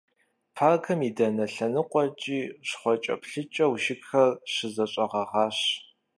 Паркым и дэнэ лъэныкъуэкӀи щхъуэкӀэплъыкӀэу жыгхэр щызэщӀэгъэгъащ.